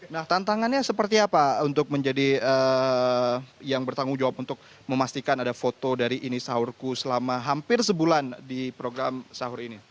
nah tantangannya seperti apa untuk menjadi yang bertanggung jawab untuk memastikan ada foto dari ini sahurku selama hampir sebulan di program sahur ini